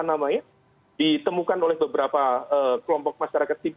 takut ditemukan oleh beberapa kelompok masyarakat